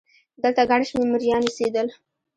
دلته ګڼ شمېر مریان اوسېدل.